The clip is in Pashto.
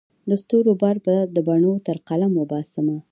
د ستورو بار به د بڼو تر قلم وباسمه